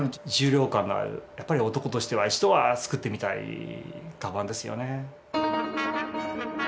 重量感のあるやっぱり男としては一度は作ってみたい鞄ですよね。